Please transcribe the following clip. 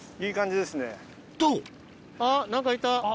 いい感じですね。と！